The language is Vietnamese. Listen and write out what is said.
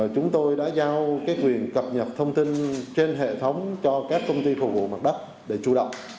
chúng tôi đã giao quyền cập nhật thông tin trên hệ thống cho các công ty phục vụ mặt đất để chủ động